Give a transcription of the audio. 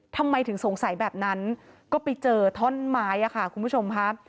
ทำไมถึงสงสัยแบบนั้นก็ไปเจอท่อนไม้ค่ะคุณผู้ชมค่ะ